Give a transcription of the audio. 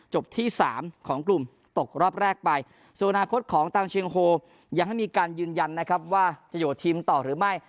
ที่สามของกลุ่มตกรอบแรกไปส่วนอนาคตของตังเชียงโฮยังไม่มีการยืนยันนะครับว่าจะอยู่ทีมต่อหรือไม่